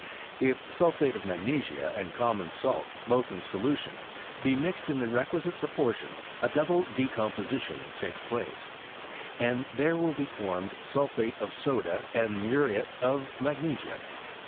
If sulphate of magnesia and common salt, both in solution, be mixed in>the requisite proportions, a double decomposition takes place, and there will be formed sulphate of soda and muriate of magnesia.